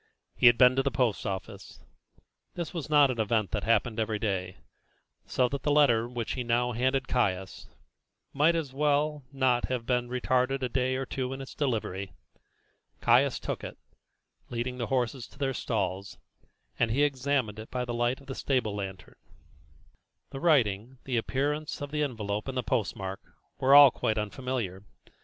He had been to the post office. This was not an event that happened every day, so that the letter which he now handed Caius might as well as not have been retarded a day or two in its delivery. Caius took it, leading the horses to their stalls, and he examined it by the light of the stable lantern. The writing, the appearance of the envelope and post mark, were all quite unfamiliar.